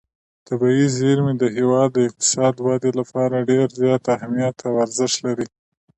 طبیعي زیرمې د هېواد د اقتصادي ودې لپاره ډېر زیات اهمیت او ارزښت لري.